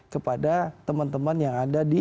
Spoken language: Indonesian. kepada teman teman yang ada di